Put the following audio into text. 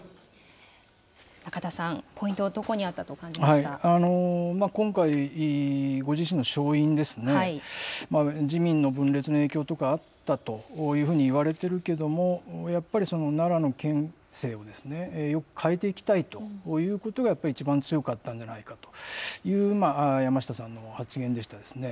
中田さん、ポイント、今回、ご自身の勝因ですね、自民の分裂の影響とか、あったというふうにいわれてるけれども、やっぱり、奈良の県政を変えていきたいということが、やっぱり一番強かったんじゃないかという、一番、山下さんの発言でしたですね。